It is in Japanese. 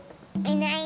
いない。